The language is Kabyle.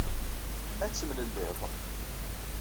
Ad temlellid.